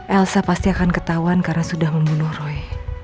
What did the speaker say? elsa pasti akan ketahuan karena sudah membunuh roy